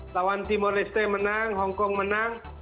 lawan timur leste menang hongkong menang